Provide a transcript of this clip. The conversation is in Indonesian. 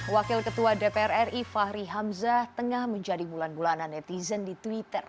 wakil ketua dpr ri fahri hamzah tengah menjadi bulan bulanan netizen di twitter